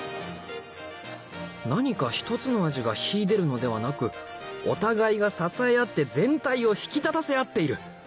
何かひとつの味が秀でるのではなくお互いが支え合って全体を引き立たせ合っている